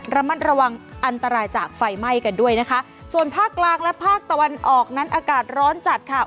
ระมัดระวังอันตรายจากไฟไหม้กันด้วยนะคะส่วนภาคกลางและภาคตะวันออกนั้นอากาศร้อนจัดค่ะ